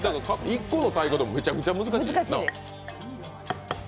１個の太鼓でもめちゃくちゃ難しいな。